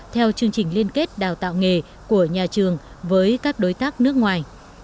theo chương trình liên kết đào tạo nghề của nhà trường với các đối tác nước ngoài